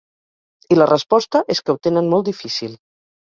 I la resposta és que ho tenen molt difícil.